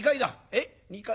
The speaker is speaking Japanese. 「えっ二階？